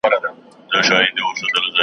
احوال یې کښلی زموږ د ښار دی .